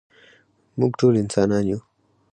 مونږ ټول انسانان يو.